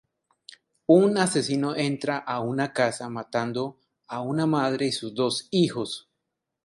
Un asesino entra en una casa, matando a una madre y sus dos hijos.